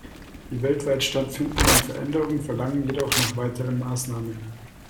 Die weltweit stattfindenden Veränderungen verlangen jedoch nach weiteren Maßnahmen.